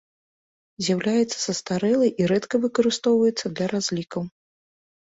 З'яўляецца састарэлай і рэдка выкарыстоўваецца для разлікаў.